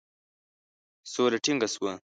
سوله ټینګه سوه.